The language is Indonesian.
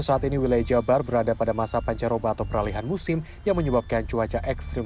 saat ini wilayah jabar berada pada masa pancaroba atau peralihan musim yang menyebabkan cuaca ekstrim